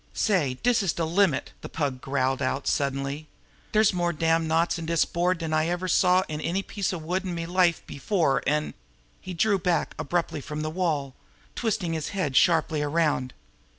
"Say, dis is de limit!" the Pug growled out suddenly. "Dere's more damned knots in dis board dan I ever save in any piece of wood in me life before, an' " He drew back abruptly from the wall, twisting his head sharply around.